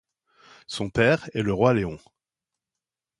Son père est le roi Léon.